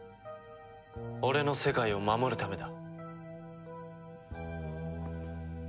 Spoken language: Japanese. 俺の世界を守るためだ。